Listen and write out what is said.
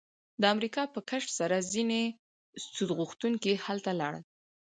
د امریکا په کشف سره ځینې سود غوښتونکي هلته لاړل